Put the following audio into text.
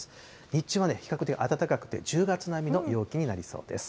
日中はね、比較的暖かくて、１０月並みの陽気になりそうです。